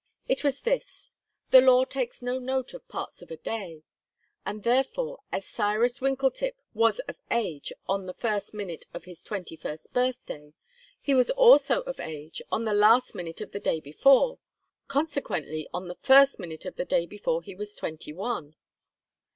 It was this: The law takes no note of parts of a day, and therefore as Cyrus Winkletip was of age on the first minute of his twenty first birthday, he was also of age on the last minute of the day before consequently on the first minute of the day before he was twenty one!